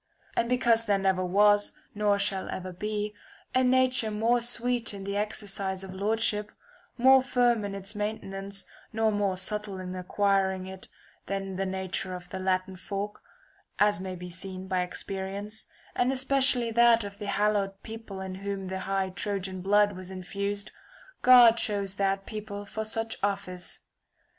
And because there never was, nor shall ever be, a nature more sweet in the exercise of lordship, more firm [1003 in its maintenance, nor more subtle in acquiring it than the nature of the Latin folk, (as may be seen by experience), and especially that of the hallowed people in whom the high Trojan blood was infused, God chose that people for such office.